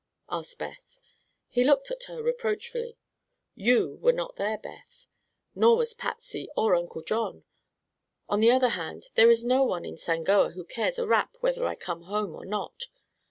asked Beth. He looked at her reproachfully. "You were not there, Beth; nor was Patsy, or Uncle John. On the other hand, there is no one in Sangoa who cares a rap whether I come home or not.